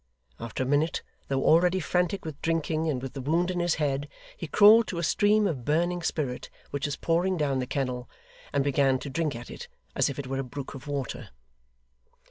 After a minute, though already frantic with drinking and with the wound in his head, he crawled to a stream of burning spirit which was pouring down the kennel, and began to drink at it as if it were a brook of water.